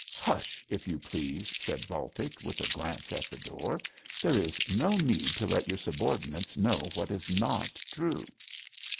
'Hush, if you please,' said Baltic, with a glance at the door. 'There is no need to let your subordinates know what is not true.'